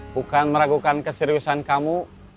bukan meragukan keseriusan kamu